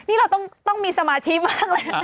นี่เราต้องมีสมาธิมากเลยนะ